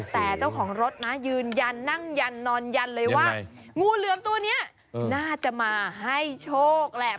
แต่เจ้าของรถนะยืนยันนั่งยันนอนยันเลยว่างูเหลือมตัวนี้น่าจะมาให้โชคแหละ